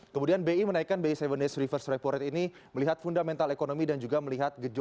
kemudian bi menaikkan bi tujuh days reverse repo rate ini melihat fundamental ekonomi dan juga melihat gejolak